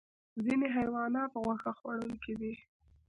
ځینې حیوانات غوښه خوړونکي دي